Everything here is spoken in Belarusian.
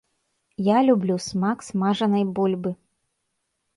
Я люблю смак смажанай бульбы.